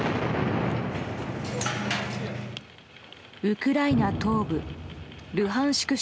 ウクライナ東部ルハンシク